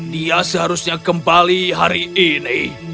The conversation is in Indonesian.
dia seharusnya kembali hari ini